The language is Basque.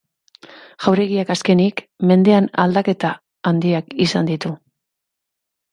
Jauregiak azkenik mendean aldaketa handiak izan ditu.